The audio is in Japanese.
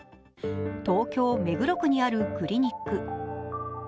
東京・目黒区にあるクリニック。